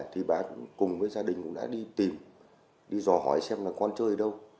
thì bà cùng với gia đình cũng đã đi tìm đi rò hỏi xem là con chơi đâu